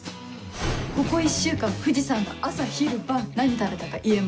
ここ１週間藤さんが朝昼晩何食べたか言えます。